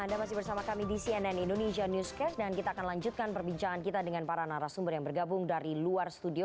anda masih bersama kami di cnn indonesia newscast dan kita akan lanjutkan perbincangan kita dengan para narasumber yang bergabung dari luar studio